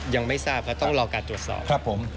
ยังไม่ทราบและต้องรอจากการตรวจสอบ